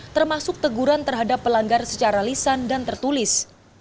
termasuk teguran terhadap pelanggar secara lisan dan tertulis